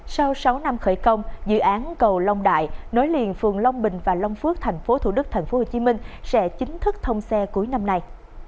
sau sáu năm khởi công dự án cầu long đại nối liền phường long bình và long phước tp thủ đức tp hcm sẽ chính thức thông xe cuối năm nay